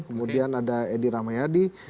kemudian ada edi rahmayadi